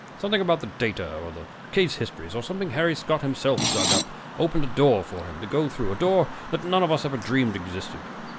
Something about the data, or the case histories; or something Harry Scott himself dug up opened a door for him to go through, a door that none of us ever dreamed existed.